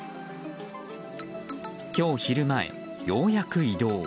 今日昼前、ようやく移動。